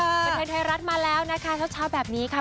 บันเทิงไทยรัฐมาแล้วนะคะเช้าแบบนี้ค่ะ